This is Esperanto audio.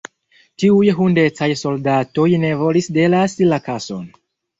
Tiuj hundecaj soldatoj ne volis delasi la kason.